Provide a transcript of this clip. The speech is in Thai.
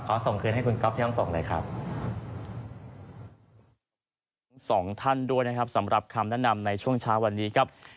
ขอส่งเงินให้คุณกรัฟที่ห้องต่องเลยครับ